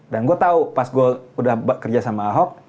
dan gue tau pas gue udah kerja sama ahok